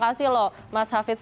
terima kasih loh mas hafidz